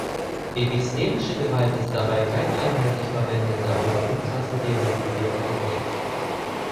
Epistemische Gewalt ist dabei kein einheitlich verwendeter oder umfassend theoretisierter Begriff.